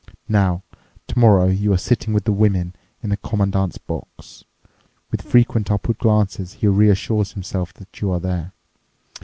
Now, tomorrow you are sitting with the women in the commandant's box. With frequent upward glances he reassures himself that you are there.